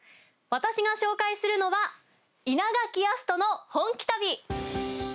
私が紹介するのは「イナガキヤストの本気旅」。